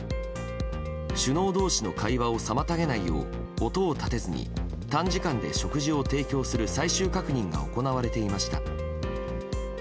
首脳同士の会話を妨げないよう音を立てずに短時間で食事を提供する最終確認が行われていました。